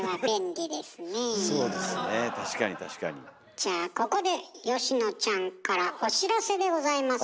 じゃあここで佳乃ちゃんからお知らせでございます。